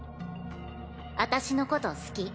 私のこと好き？